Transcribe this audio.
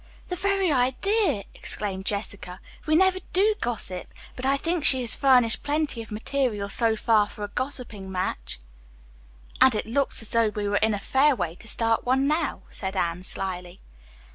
"The very idea!" exclaimed Jessica. "We never do gossip, but I think she has furnished plenty of material so far for a gossiping match." "And it looks as though we were in a fair way to start one, now," said Anne slyly.